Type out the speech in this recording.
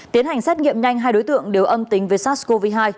tiến hành xét nghiệm nhanh hai đối tượng đều âm tính với sars cov hai